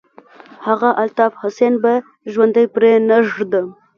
هغه الطاف حسين به ژوندى پرې نه ږدم.